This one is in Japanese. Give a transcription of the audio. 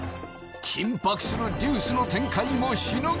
緊迫するジュースの展開もしのぎ。